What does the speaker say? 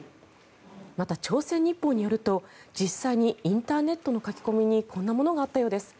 また、朝鮮日報によると実際にインターネットの書き込みにこんなものがあったようです。